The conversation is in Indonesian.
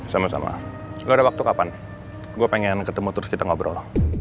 sama sama gak ada waktu kapan gue pengen ketemu terus kita ngobrol